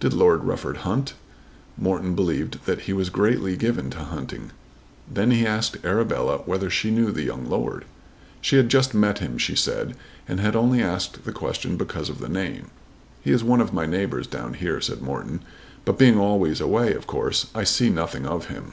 Did Lord Rufford hunt? Morton believed that he was greatly given to hunting. Then he asked Arabella whether she knew the young lord. She had just met him, she said, and had only asked the question because of the name. "He is one of my neighbours down here," said Morton; "but being always away of course I see nothing of him."